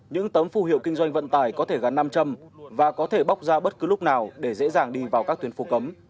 những tấm phù hiệu kinh doanh vận tải có thể gắn nam châm và có thể bóc ra bất cứ lúc nào để dễ dàng đi vào các tuyến phố cấm